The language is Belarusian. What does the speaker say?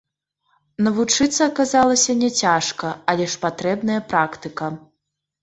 Навучыцца аказалася няцяжка, але ж патрэбная практыка.